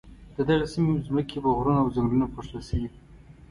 د دغې سیمې ځمکې پر غرونو او ځنګلونو پوښل شوې.